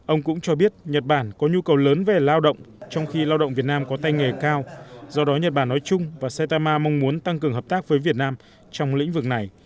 ông cũng cho biết nhật bản có nhu cầu lớn về lao động trong khi lao động việt nam có tay nghề cao do đó nhật bản nói chung và saitama mong muốn tăng cường hợp tác với việt nam trong lĩnh vực này